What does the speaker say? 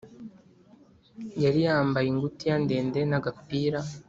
Yari yambaye ingutiya ndende n’agapira